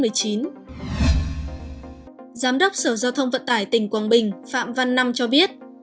giám đốc sở giao thông vận tải tỉnh quảng bình phạm văn năm cho biết